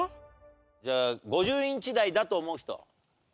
じゃあ５０インチ台だと思う人？